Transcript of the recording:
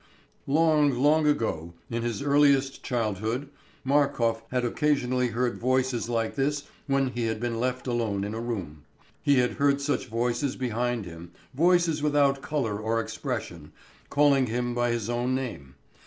_ Long, long ago, in his earliest childhood, Markof had occasionally heard voices like this when he had been left alone in a room, he had heard such voices behind him, voices without colour or expression, calling him by his own name.